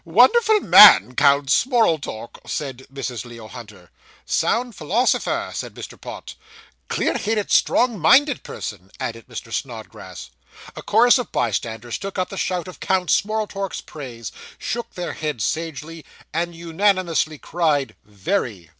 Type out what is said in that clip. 'Wonderful man, Count Smorltork,' said Mrs. Leo Hunter. 'Sound philosopher,' said Mr. Pott. 'Clear headed, strong minded person,' added Mr. Snodgrass. A chorus of bystanders took up the shout of Count Smorltork's praise, shook their heads sagely, and unanimously cried, 'Very!